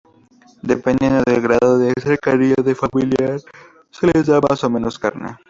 Dependiendo del grado de cercanía del familiar, se le da más o menos carne.